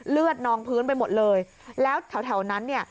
นองพื้นไปหมดเลยแล้วแถวแถวนั้นเนี่ย